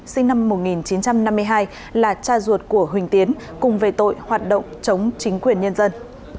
sinh năm một nghìn chín trăm năm mươi hai là cha ruột của huỳnh tiến cùng về tội hoạt động chống chính quyền nhân dân